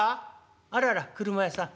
あらら俥屋さん。